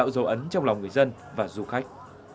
dân và du khách